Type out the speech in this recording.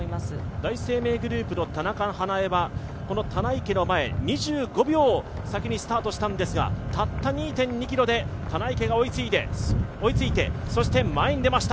第一生命グループの田中華絵は、この棚池の前２５秒先にスタートしたんですが、たった２．２ｋｍで棚池が追いついて前に出ました。